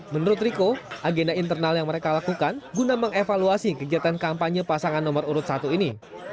menurut riko agenda internal yang mereka lakukan guna mengevaluasi kegiatan kampanye pasangan nomor urut satu ini